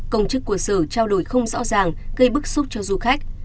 công chức của sở trao đổi không rõ ràng gây bức xúc cho du khách